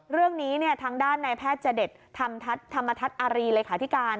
เรื่องนี้ทางด้านนายแพทย์เจด็จธรรมทัศน์ธรรมทัศน์อารีย์เลยค้าที่การ